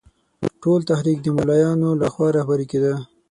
ټول تحریک د مولویانو له خوا رهبري کېده.